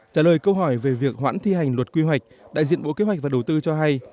trả lời câu hỏi về việc hoãn thi hành luật quy hoạch đại diện bộ kế hoạch và đầu tư cho hay